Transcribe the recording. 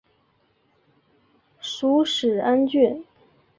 属始安郡。